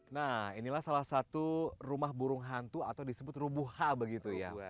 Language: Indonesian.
nah inilah salah satu rumah burung hantu atau disebut rubuha begitu ya